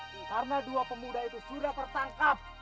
karena dua pemuda itu sudah tertangkap